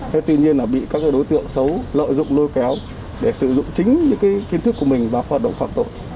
thế tuy nhiên là bị các đối tượng xấu lợi dụng lôi kéo để sử dụng chính những kiến thức của mình và hoạt động hoạt tội